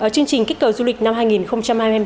chương trình kích cầu du lịch năm hai nghìn hai mươi bốn